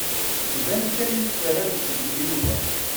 Iban kan tramt Yuba.